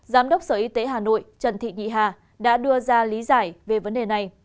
giám đốc sở y tế hà nội trần thị nhị hà đã đưa ra lý giải về vấn đề này